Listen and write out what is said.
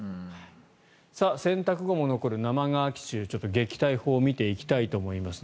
洗濯後に残る生乾き臭撃退法を見ていきたいと思います。